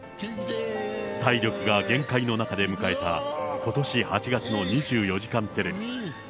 体力が限界の中で迎えた、ことし８月の２４時間テレビ。